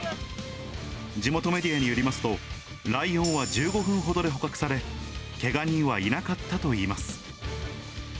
地元メディアによりますと、ライオンは１５分ほどで捕獲され、けが人はいなかったといいます。